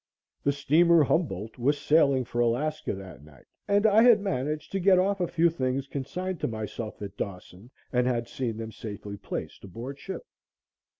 The steamer "Humboldt" was sailing for Alaska that night, and I had managed to get off a few things consigned to myself at Dawson and had seen them safely placed aboard ship.